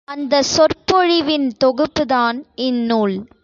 அந்தச் சொற்பொழிவின் தொகுப்புதான் இந்நூல்.